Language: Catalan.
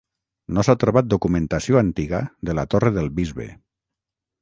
No s'ha trobat documentació antiga de la Torre del Bisbe.